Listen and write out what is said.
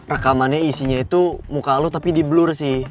rekamannya isinya itu muka lu tapi di blur sih